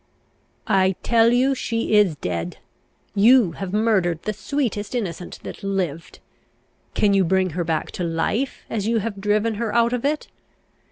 "I tell you she is dead! You have murdered the sweetest innocent that lived! Can you bring her back to life, as you have driven her out of it?